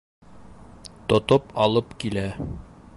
Тотоп алып килә.